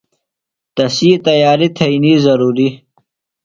تسی تیاریۡ تھئینیۡ ضرُوری۔